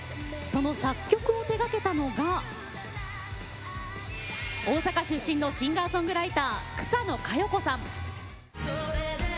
その作曲を手がけたのが大阪出身のシンガーソングライター草野華余子さん。